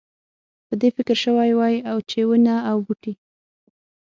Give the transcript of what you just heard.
په دې فکر شوی وای چې ونه او بوټی.